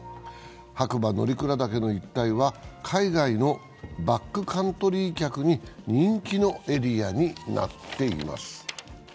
白馬乗鞍岳の一帯は海外のバックカントリー客に人気のエリアになっています。